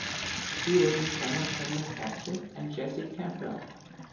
He was the son of John MacMaster and Jessie Campbell.